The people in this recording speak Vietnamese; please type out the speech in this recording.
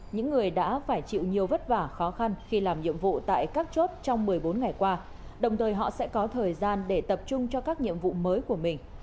những người đã phải chịu nhiều vất vả khó khăn khi làm nhiệm vụ tại các chốt trong một mươi bốn ngày qua đồng thời họ sẽ có thời gian để tập trung cho các nhiệm vụ mới của mình